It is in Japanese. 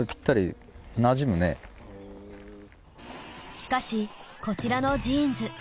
しかしこちらのジーンズ。